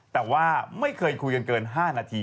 แต่ว่าไม่เคยคุยกันเกิน๕นาที